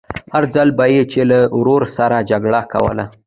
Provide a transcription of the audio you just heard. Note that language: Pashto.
هر ځل به يې چې له ورور سره جګړه کوله.